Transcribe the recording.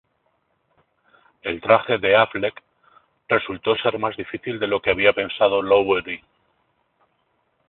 El traje de Affleck resultó ser más difícil de lo que había pensado Lowery.